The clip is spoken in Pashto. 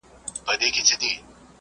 طبیعت نور دا وچه پاڼه نه پرېږدي.